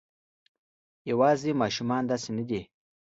یواځې ماشومان داسې نه دي.